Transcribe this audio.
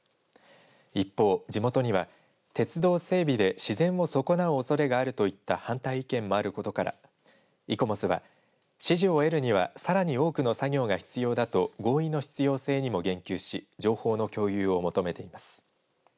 一方、地元には鉄道整備で自然を損なうおそれがあるといった反対意見もあることからイコモスは、支持を得るにはさらに多くの作業が必要だと合意の必要性にも言及し情報の共有を求めています。